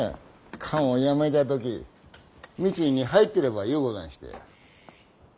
官を辞めた時三井に入ってればようござんしたよ。